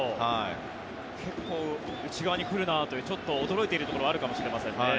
結構、内側に来るなとちょっと驚いているところはあるかもしれませんね。